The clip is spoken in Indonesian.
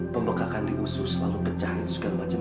pembengkakan di usus lalu pecah itu segala macam